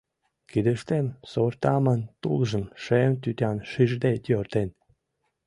Кидыштем сортамын тулжым Шем тӱтан шижде йӧртен.